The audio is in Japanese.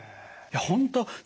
いや本当